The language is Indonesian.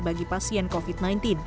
bagi pasien covid sembilan belas